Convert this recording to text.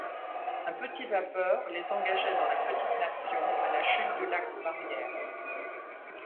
Un petit vapeur les engageait dans la Petite-Nation à la chute du lac Barrière.